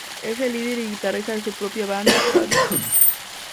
Es el líder y guitarrista de su propia banda, Who Dat?.